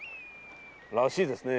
らしいですね。